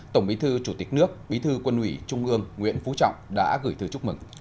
tổng bí thư chủ tịch nước bí thư quân ủy trung ương nguyễn phú trọng đã gửi thư chúc mừng